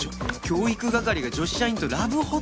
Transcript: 教育係が女子社員とラブホって